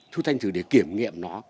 thu thanh thử để kiểm nghiệm nó